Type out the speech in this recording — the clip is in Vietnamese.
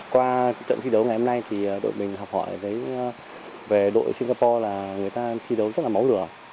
qua trận thi đấu ngày hôm nay đội mình học hỏi về đội singapore là người ta thi đấu rất là mong muốn